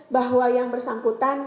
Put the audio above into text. bahwa yang bersangkutan